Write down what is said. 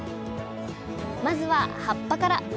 まずは葉っぱから。